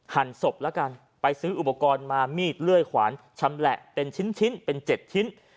ศพแล้วกันไปซื้ออุปกรณ์มามีดเลื่อยขวานชำแหละเป็นชิ้นเป็น๗ชิ้น